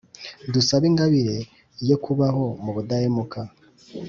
dusabe ingabire yo kubaho mu budahemuka.